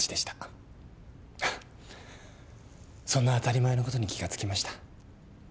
そんな当たり前のことに気が付きました。